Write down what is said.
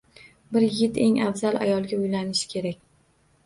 Bir yigit eng afzal ayolga uylanish kerak.